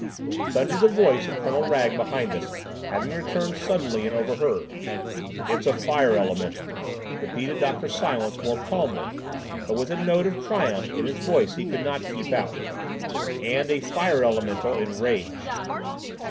thundered the voice of Colonel Wragge behind us, having returned suddenly and overheard. "It's a fire elemental," repeated Dr. Silence more calmly, but with a note of triumph in his voice he could not keep out, "and a fire elemental enraged."